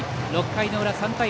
６回の裏、３対０。